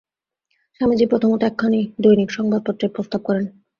স্বামীজী প্রথমত একখানি দৈনিক সংবাদপত্রের প্রস্তাব করেন।